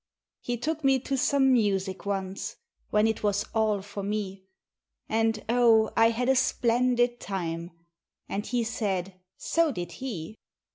He took me to some Music once, When it was all for me. And Oh, I had a splendid time! And he said, So did He.